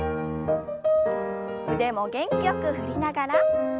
腕も元気よく振りながら。